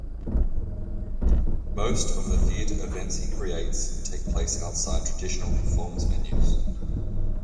Most of the theater events he creates take place outside traditional performance venues.